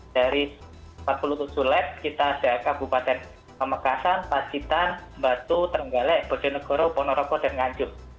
dari empat puluh tujuh lab kita ada kabupaten pemegasan pasitan batu tenggale bodonegoro ponoroko dan nganjuk